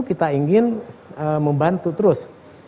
kita ingin membantu terus